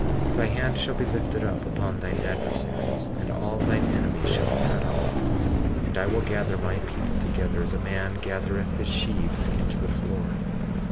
20:17 Thy hand shall be lifted up upon thine adversaries, and all thine enemies shall be cut off. 20:18 And I will gather my people together as a man gathereth his sheaves into the floor.